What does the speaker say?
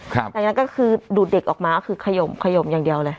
จากนั้นก็คือดูดเด็กออกมาก็คือขยมขยมอย่างเดียวเลย